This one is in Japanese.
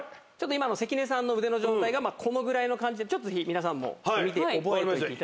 今の関根さんの腕の状態がこのぐらいの感じで皆さんも見て覚えていていただきたい。